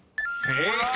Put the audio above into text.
［正解！］